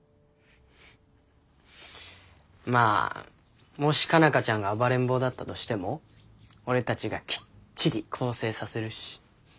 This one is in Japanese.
まあもし佳奈花ちゃんが暴れん坊だったとしても俺たちがきっちり更生させるし。